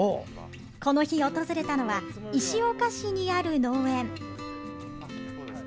この日訪れたのは石岡市にある農園。